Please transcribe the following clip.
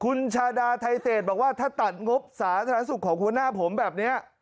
คุณชาดาไทเศษบอกว่าถ้าตัดงบสาธารณสุขของหัวหน้าผมแบบนี้